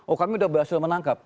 oh kami sudah berhasil menangkap